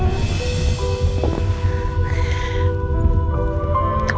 aku takut papa